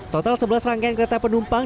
total sebelas rangkaian kereta penumpang